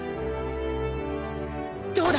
どうだ？